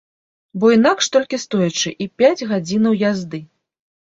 Бо інакш толькі стоячы і пяць гадзінаў язды.